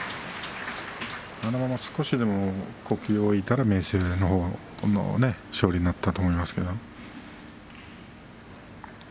あのまま少しでも呼吸置いたら明生の勝利になったと思います。